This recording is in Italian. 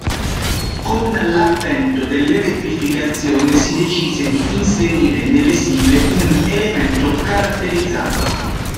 Con l'avvento dell'elettrificazione si decise di inserire nelle sigle un elemento caratterizzante.